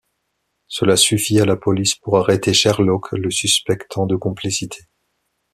Cela suffit à la police pour arrêter Sherlock, le suspectant de complicité.